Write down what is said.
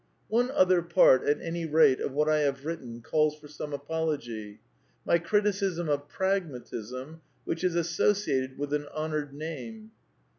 One other part, at any rate, of what I have written calls for some apology — my criticism of Pragmatism which is associated with an honoured name.